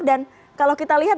dan kalau kita lihat